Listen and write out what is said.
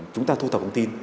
chúng ta thu thập thông tin